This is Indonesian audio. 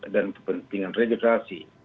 dan kepentingan regenerasi